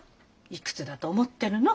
いくつだと思ってるの？